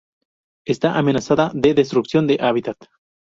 Está amenazada de destrucción de hábitat.